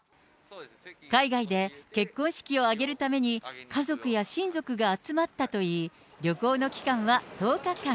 海外で結婚式を挙げるために家族や親族が集まったといい、旅行の期間は１０日間。